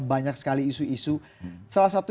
banyak sekali isu isu salah satu